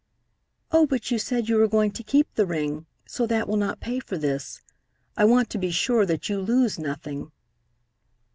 "Oh, but you said you were going to keep the ring, so that will not pay for this, I want to be sure that you lose nothing."